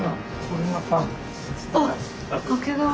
あっ。